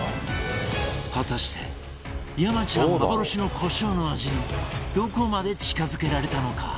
果たして山ちゃん幻のコショウの味にどこまで近付けられたのか？